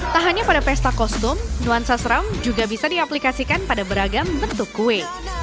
tak hanya pada pesta kostum nuansa seram juga bisa diaplikasikan pada beragam bentuk kue